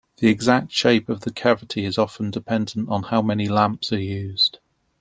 The exact shape of the cavity is often dependent on how many lamps are used.